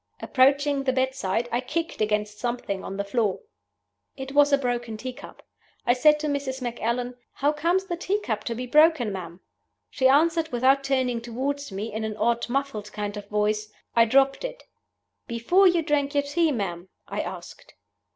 Approaching the bedside, I kicked against something on the floor. It was a broken tea cup. I said to Mrs. Macallan, 'How comes the tea cup to be broken, ma'am?' She answered, without turning toward me, in an odd, muffled kind of voice, 'I dropped it.' 'Before you drank your tea, ma'am?' I asked.